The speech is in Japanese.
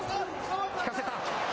引かせた。